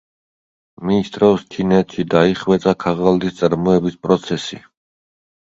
მის დროს ჩინეთში დაიხვეწა ქაღალდის წარმოების პროცესი.